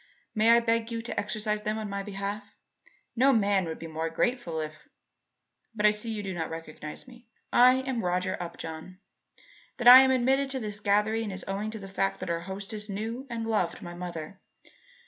May I beg you to exercise them in my behalf? No man would be more grateful if But I see that you do not recognize me. I am Roger Upjohn. That I am admitted to this gathering is owing to the fact that our hostess knew and loved my mother.